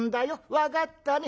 分かったね。